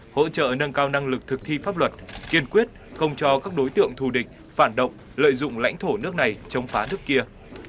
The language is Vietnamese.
hỗ trợ nâng cao năng lực thực thi pháp luật kiên quyết không cho các đối tượng thù địch phản động lợi dụng lãnh thổ nước này chống phá nước kia